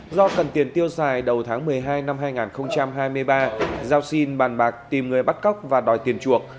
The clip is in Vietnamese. do cần tiền tiêu xài đầu tháng một mươi hai năm hai nghìn hai mươi ba giao xin bàn bạc tìm người bắt cóc và đòi tiền chuộc